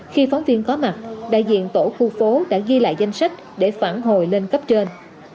khi phóng viên có mặt đại diện tổ khu phố đã ghi lại danh sách để phản hồi lên cấp trên